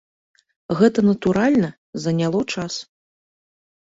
Гэта, натуральна, заняло час.